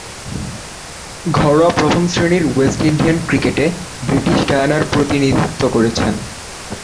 ঘরোয়া প্রথম-শ্রেণীর West Indian ক্রিকেটে ব্রিটিশ গায়ানার প্রতিনিধিত্ব করেছেন।